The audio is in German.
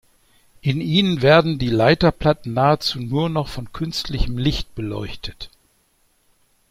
In ihnen werden die Leiterplatten nahezu nur noch von künstlichem Licht beleuchtet.